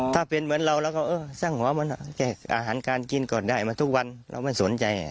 ถ้าเป็นเหมือนเราก็สร้างหวะอาหารการกินก็ได้มาทุกวันเราไม่สนใจ